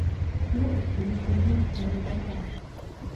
K jeho určení sloužil už tehdy kompas.